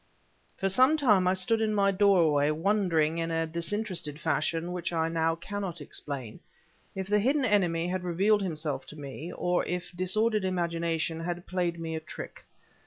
For some time I stood in my doorway, wondering in a disinterested fashion which now I cannot explain, if the hidden enemy had revealed himself to me, or if disordered imagination had played me a trick.